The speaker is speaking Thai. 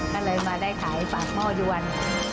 ก็เลยมาได้ขายฝากหม้อยวน